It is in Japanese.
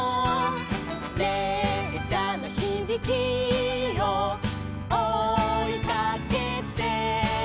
「れっしゃのひびきをおいかけて」